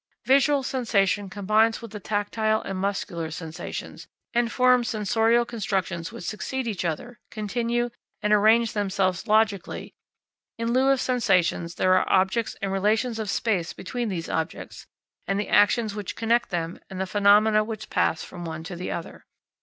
Visual sensation combines with the tactile and muscular sensations, and forms sensorial constructions which succeed each, other, continue, and arrange themselves logically: in lieu of sensations, there are objects and relations of space between these objects, and the actions which connect them, and the phenomena which pass from one to the other.